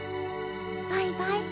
バイバイ。